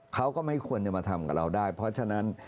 เขาก็ไม่ควรจะมาทำกับเราได้เพราะฉะนั้น